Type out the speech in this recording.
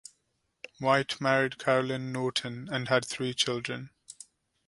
White married Caroline Norton and had three children.